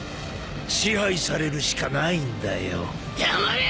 支配されるしかないんだよ。だまれ！